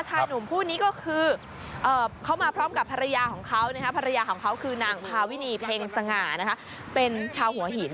ชายหนุ่มผู้นี้ก็คือเขามาพร้อมกับภรรยาของเขาภรรยาของเขาคือนางพาวินีเพลงสง่าเป็นชาวหัวหิน